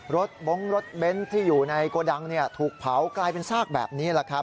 รถบ้งรถเบนท์ที่อยู่ในโกดังถูกเผากลายเป็นซากแบบนี้แหละครับ